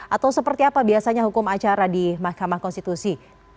atau seperti apa biasanya hukum acara di mahkamah konstitusi